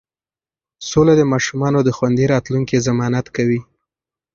سوله د ماشومانو د خوندي راتلونکي ضمانت کوي.